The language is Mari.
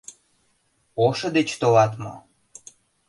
Ошо деч толат мо?